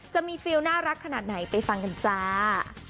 จะมีฟิลน่ารักขนาดไหนไปฟังกันจ้า